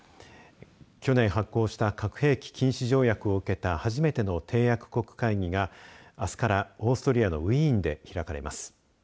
去年、発効した核兵器禁止条約を受けた初めての締約国会議があすからオーストリアのウィーンで開かれます。